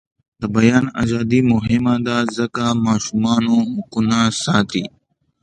د بیان ازادي مهمه ده ځکه چې ماشومانو حقونه ساتي.